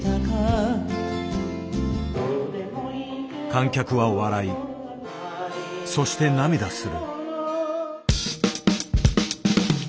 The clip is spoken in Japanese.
観客は笑いそして涙する。